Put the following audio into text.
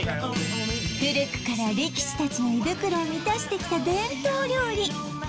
古くから力士達の胃袋を満たしてきた伝統料理